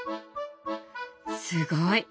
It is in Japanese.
すごい！